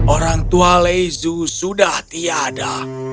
orang tua lezu sudah tiada